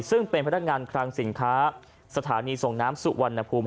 ซึ่งเป็นพนักงานคลังสินค้าสถานีส่งน้ำสุวรรณภูมิ